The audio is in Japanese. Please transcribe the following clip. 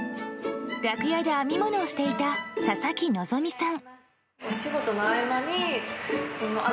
楽屋で編み物をしていた佐々木希さん。